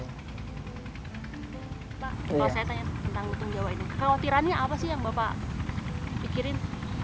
kekhawatirannya apa sih yang bapak pikirin